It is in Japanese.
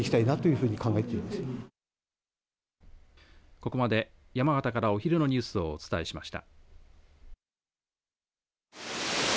ここまで山形から、お昼のニュースをお伝えしました。